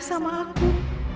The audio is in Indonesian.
kamu gak tidur